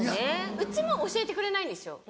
うちも教えてくれないんですよ。